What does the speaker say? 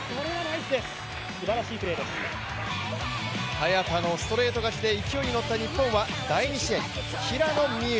早田のストレート勝ちで勢いに乗った日本は第２試合、平野美宇。